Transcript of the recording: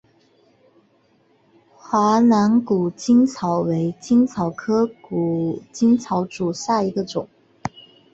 华南谷精草为谷精草科谷精草属下的一个种。